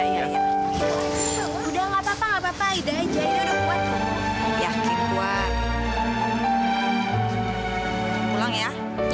saya mencoba melacaknya dan saya berhasil mendapatkan fotonya